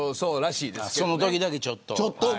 そのときだけ、ちょっと。